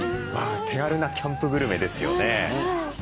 手軽なキャンプグルメですよね。